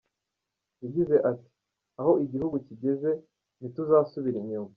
Yagize ati “Aho igihugu kigeze ntituzasubira inyuma.